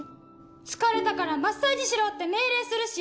疲れたからマッサージしろって命令するし。